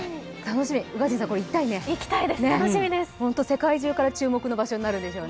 宇賀神さん、これ行きたいですね。